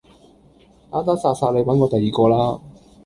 打打殺殺你搵過第二個啦